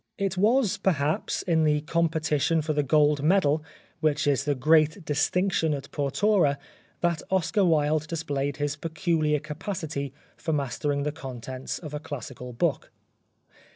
It was, perhaps, in the competition for the Gold Medal which is the great distinction at Portora that Oscar Wilde displayed his peculiar capacity for mastering the contents of a classical book.